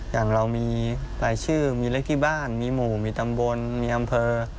อย่างเรามีรายชื่อมีเลขที่บ้านมีหมู่มีตำบลมีอำเภอ